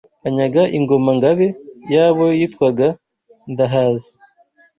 anyaga Ingoma–ngabe yabo yitwaga Ndahaze